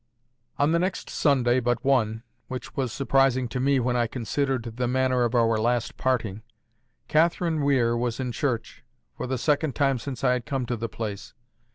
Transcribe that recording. On the next Sunday but one—which was surprising to me when I considered the manner of our last parting—Catherine Weir was in church, for the second time since I had come to the place.